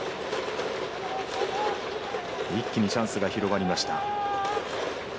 一気にチャンスが広がりました。